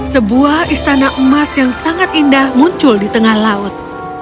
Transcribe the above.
sebuah istana emas yang sangat indah muncul di tengah laut